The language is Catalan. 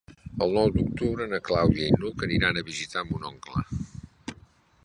El nou d'octubre na Clàudia i n'Hug aniran a visitar mon oncle.